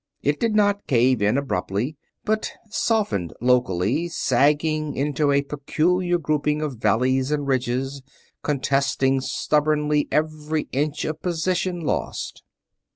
It did not cave in abruptly, but softened locally, sagging into a peculiar grouping of valleys and ridges contesting stubbornly every inch of position lost.